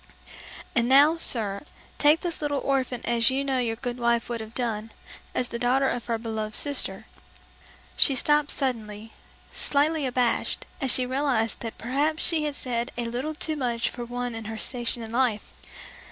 And now, sir, take this little orphan as you know your good wife would have done, as the daughter of her beloved sister...." She stopped suddenly, slightly abashed, as she realized that perhaps she had said a little too much for one in her station in life.